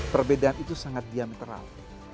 perbedaan itu sangat diametral